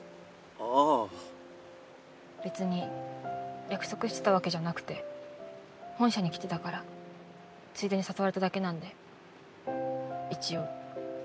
別に約束してたわけじゃなくて本社に来てたからついでに誘われただけなんで一応。